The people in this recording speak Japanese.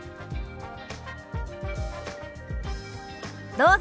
どうぞ。